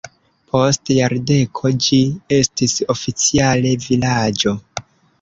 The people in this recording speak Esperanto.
Post jardeko ĝi estis oficiale vilaĝo.